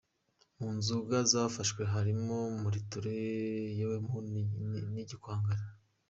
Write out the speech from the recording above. Mu nzoga zafashwe harimo Muriture, Yewemuntu n’Igikwangari.